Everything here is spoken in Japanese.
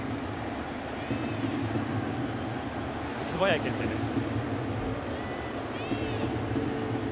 素早いけん制です。